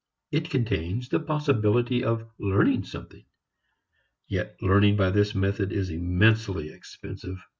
It contains the possibility of learning something. Yet learning by this method is immensely expensive.